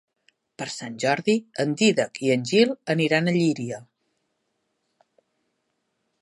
Per Sant Jordi en Dídac i en Gil aniran a Llíria.